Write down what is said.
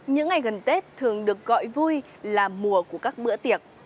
những ngày gần tết thường được gọi vui là mùa của các bữa tiệc